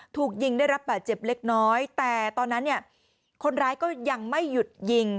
ถูกยิงได้รับบาดเจ็บเล็กน้อยแต่ตอนนั้นเนี่ยคนร้ายก็ยังไม่หยุดยิง